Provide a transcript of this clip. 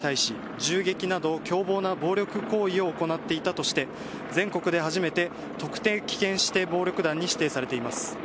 工藤会は、一般市民や企業に対し銃撃など凶暴な暴力行為を行っていたとして、全国で初めて特定危険指定暴力団に指定されています。